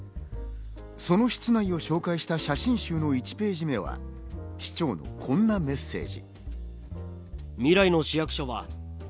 その室内を紹介した写真集の１ページ目は、市長のこんなメッセージ。